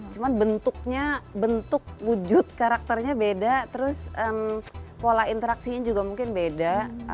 cuma bentuknya bentuk wujud karakternya beda terus pola interaksinya juga mungkin beda